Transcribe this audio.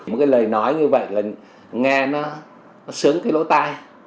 một lời nói như vậy nghe nó sướng cái lỗ tai